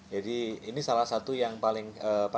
jadi ini salah satu yang paling